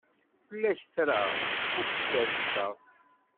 Tella tra ad skerkseɣ.